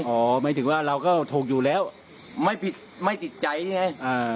อ๋อหมายถึงว่าเราก็โทกอยู่แล้วไม่ผิดไม่ติดใจเนี้ยอ่า